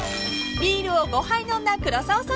［ビールを５杯飲んだ黒沢さん］